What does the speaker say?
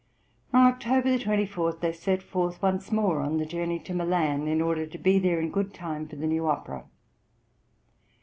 On October 24 they set forth once more on the journey to Milan, in order to be there in good time for the new opera.